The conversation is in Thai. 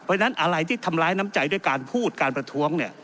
เพราะฉะนั้นอะไรที่ทำร้ายน้ำใจด้วยการพูดการประท้วง